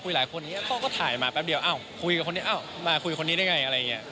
ครับเพราะว่าถ้าเราคุยหลายคนเนี่ย